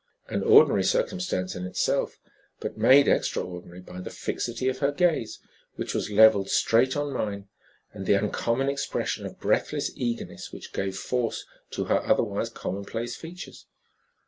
An ordinary circumstance in itself, but made extraordinary by the fixity of her gaze, which was leveled straight on mine, and the uncommon expression of breathless eagerness which gave force to her otherwise commonplace features.